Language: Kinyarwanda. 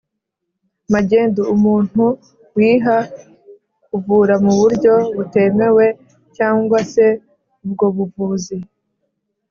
magendu: umuntu wiha kuvura mu buryo butemewe cyangwa se ubwo buvuzi